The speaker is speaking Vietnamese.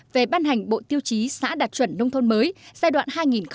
về ban hành bộ tiêu chí xã đạt chuẩn nông thôn mới giai đoạn hai nghìn một mươi một hai nghìn hai mươi